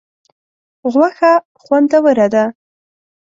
غوښه خوندوره ده.